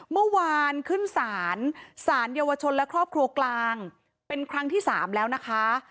เมื่อวานขึ้นศาลศาลเยาวชนและครอบครัวกลางเป็นครั้งที่๓แล้วนะคะ